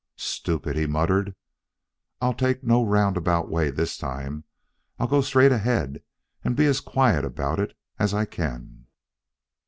"Stupid!" he muttered. "I'll take no roundabout way this time. I'll go straight ahead and be as quiet about it as I can."